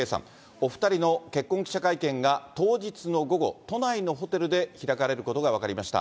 お２人の結婚記者会見が当日の午後、都内のホテルで開かれることが分かりました。